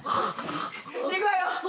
いくわよ。